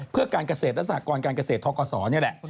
เพื่อการเกษตรรัศกรณ์การเกษตรท้อกษเนี่ยแหละ